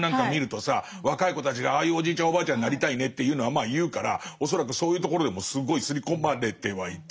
若い子たちがああいうおじいちゃんおばあちゃんになりたいねっていうのはまあ言うから恐らくそういうところでもすごい刷り込まれてはいて。